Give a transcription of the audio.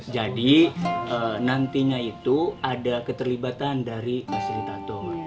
jadi nantinya itu ada keterlibatan dari fasilitator